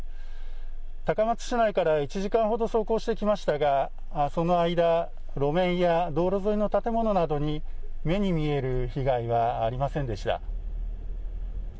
高松市内から１時間ほど走行してきましたがその間、路面や道路沿いの建物などに目に見える被害はありませんでした。